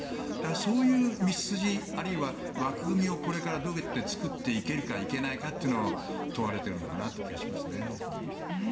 そういう道筋、枠組みをこれからどうやって作っていけるかが問われているのかなという気がしますね。